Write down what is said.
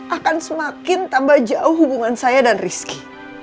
akan semakin tambah jauh hubungan saya dan rizky